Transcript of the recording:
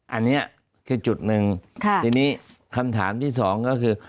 อันนี้คือจุดหนึ่งทีนี้คำถามที่สองก็คือ